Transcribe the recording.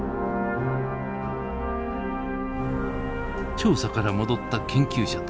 調査から戻った研究者たち。